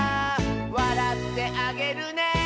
「わらってあげるね」